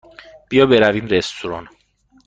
بیا برویم رستوران.